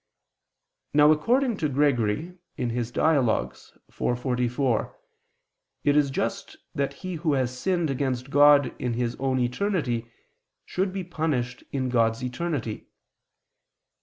Now according to Gregory (Dial. iv, 44) it is just that he who has sinned against God in his own eternity should be punished in God's eternity.